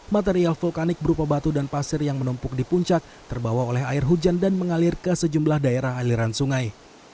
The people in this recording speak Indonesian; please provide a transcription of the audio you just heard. material vulkanik berupa batu dan pasir yang menumpuk di puncak terbawa oleh air hujan dan mengalir ke sejumlah daerah aliran sungai